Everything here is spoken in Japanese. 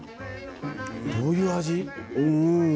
どういう味？